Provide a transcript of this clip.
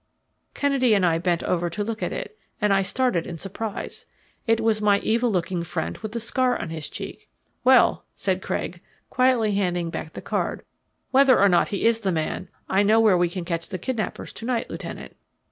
Kennedy and I bent over to look at it, and I started in surprise. It was my evil looking friend with the scar on his cheek. "Well," said Craig, quietly handing back the card, "whether or not he is the man, I know where we can catch the kidnappers to night, Lieutenant."